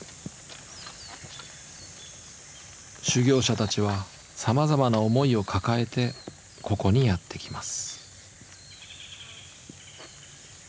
修行者たちはさまざまな思いを抱えてここにやって来ます。